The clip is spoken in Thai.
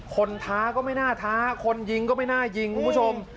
ท้าก็ไม่น่าท้าคนยิงก็ไม่น่ายิงคุณผู้ชม